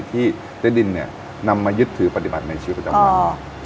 ที่เจ๊ดินเนี่ยนำมายึดถือปฏิบัติในชีวิตประจำวัน